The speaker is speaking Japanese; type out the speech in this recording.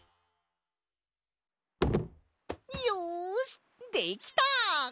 よしできた！